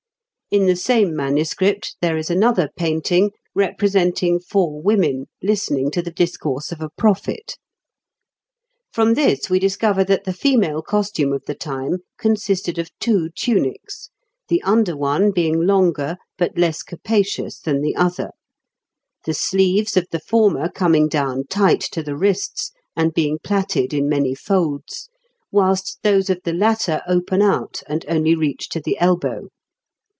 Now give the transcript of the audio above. In the same manuscript there is another painting, representing four women listening to the discourse of a prophet. From this we discover that the female costume of the time consisted of two tunics, the under one being longer but less capacious than the other, the sleeves of the former coming down tight to the wrists, and being plaited in many folds, whilst those of the latter open out, and only reach to the elbow.